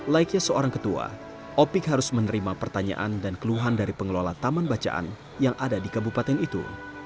laiknya seorang ketua opik harus menerima pertanyaan dan keluhan dari pengelola taman bacaan yang ada di kabupaten itu